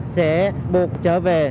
sẽ buộc trở về